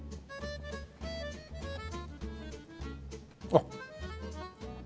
あっ。